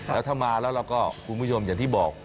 แล้วถ้ามาแล้วเราก็คุณผู้ชมอย่างที่บอก